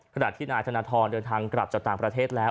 ขณะที่นายธนทรเดินทางกลับจากต่างประเทศแล้ว